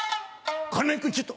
「金井君ちょっと」